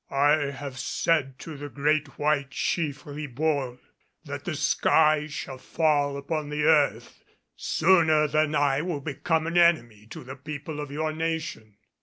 "I have said to the great white chief Ribault that the sky shall fall upon the earth sooner than I will become an enemy to the people of your nation.